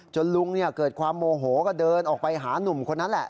ลุงเกิดความโมโหก็เดินออกไปหานุ่มคนนั้นแหละ